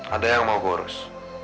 ada yang mau gue urus